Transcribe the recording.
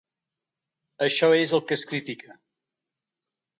Això és el que es critica.